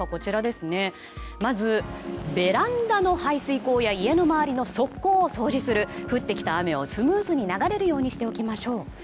まずベランダの排水溝や家の周りの側溝を掃除する降ってきた雨がスムーズに流れるようにしておきましょう。